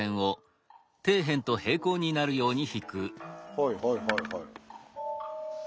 はいはいはいはい。